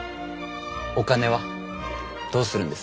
お金はどうするんです？